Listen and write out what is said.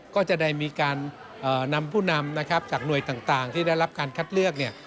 ก็จะได้มีการนำผู้นำนะครับจากหน่วยต่างที่ได้รับการคัดเลือกเนี่ย